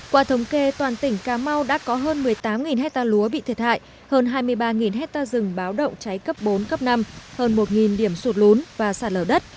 qua thống kê toàn tỉnh cà mau đã có hơn một mươi tám hectare lúa bị thiệt hại hơn hai mươi ba hectare rừng báo động cháy cấp bốn cấp năm hơn một điểm sụt lún và sạt lở đất